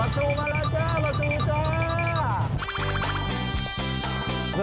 ปาจูมาแล้วจ้าปาจูจ้า